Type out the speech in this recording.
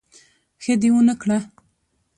ښه دي ونکړه